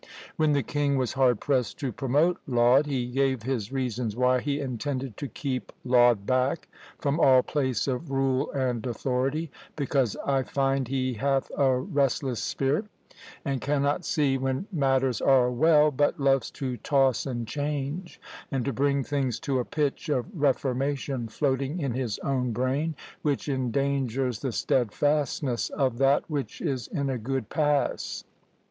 When the king was hard pressed to promote Laud, he gave his reasons why he intended to "keep Laud back from all place of rule and authority, because I find he hath a restless spirit, and cannot see when matters are well, but loves to toss and change, and to bring things to a pitch of reformation floating in his own brain, which endangers the steadfastness of that which is in a good pass.